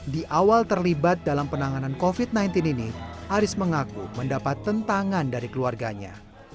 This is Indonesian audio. di awal terlibat dalam penanganan covid sembilan belas ini aris mengaku mendapat tentangan dari keluarganya